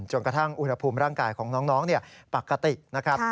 จนกระทั่งอุณหภูมิร่างกายของน้องปกตินะครับ